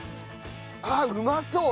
あっうまそう！